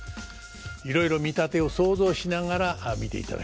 いろいろ見立てを想像しながら見ていただきましょう。